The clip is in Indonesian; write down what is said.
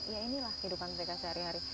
ya inilah kehidupan mereka sehari hari